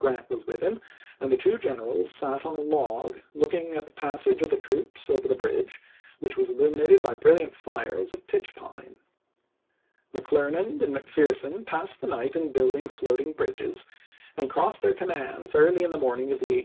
Grant was with him, and the two generals sat on a "MemS" log looking at the passage of the troops over the p?324.' bridge, which was illuminated by brilliant fires of pitch pine. McClernand and McPherson passed gkant's MAY BATTLES IN MISSISSIPPI 193 the night in building floating bridges, and crossed chap.vii. their commands early in the morning of the 18th.